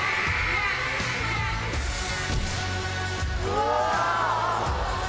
うわ！